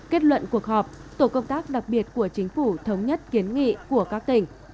kết luận cuộc họp tổ công tác đặc biệt của chính phủ thống nhất kiến nghị của các tỉnh